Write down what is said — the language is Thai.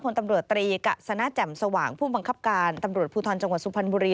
ตำรวจตรีกะสนะแจ่มสว่างผู้บังคับการตำรวจภูทรจังหวัดสุพรรณบุรี